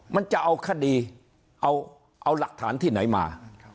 มันจะเอาคดีเอาหลักฐานที่ไหนมา